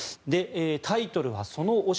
タイトルはその推し